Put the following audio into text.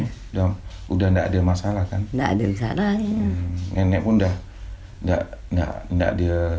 udah udah enggak ada masalah kan enggak ada masalah nenek pun dah enggak enggak enggak ada